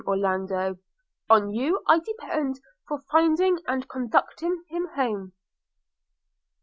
Orlando, on you I depend for finding and conducting him home.'